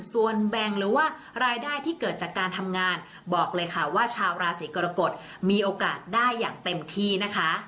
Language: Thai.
ส่วนแบ่งหรือว่ารายได้ที่เกิดจากการทำงานบอกเลยค่ะว่าชาวราศีกรกฎมีโอกาสได้อย่างเต็มที่นะคะ